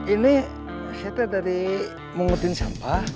ini saya dari mengutin sampah